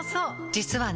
実はね